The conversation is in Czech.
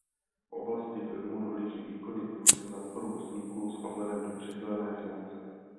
V oblasti filmu dohlíží výkonný producent na tvorbu snímku s ohledem na přidělené finance.